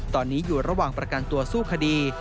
ตอนนี้อยู่ระหว่างประกันตัวสู้คดี